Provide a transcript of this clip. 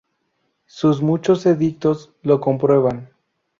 Sus muchos edictos lo comprueban.